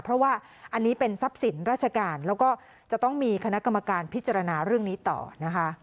เพราะว่าอันนี้เป็นทรัพย์สินราชการแล้วก็จะต้องมีคณะกรรมการพิจารณาเรื่องนี้ต่อนะคะ